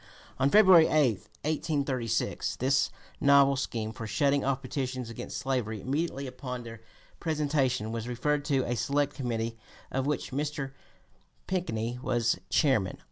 On February 8, 1836, this novel scheme for shutting off petitions against slavery immediately upon their presentation was referred to a select committee of which Mr. Pinckney was chairman.